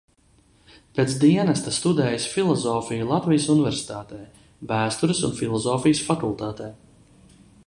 Pēc dienesta studējis filozofiju Latvijas Universitātē, Vēstures un filozofijas fakultātē.